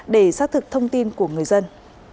để xác thực thông tin của người dân